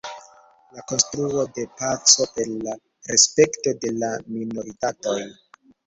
La konstruo de paco per la respekto de la minoritatoj.